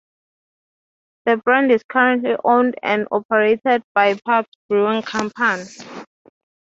The brand is currently owned and operated by Pabst Brewing Company.